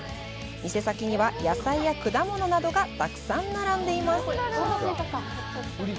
店先には、野菜や果物などがたくさん並んでいます。